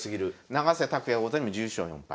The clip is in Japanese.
永瀬拓矢王座にも１１勝４敗。